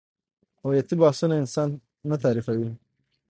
هویتي بحثونه انسان نه تعریفوي.